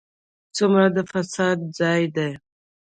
ځومره د افسوس ځاي دي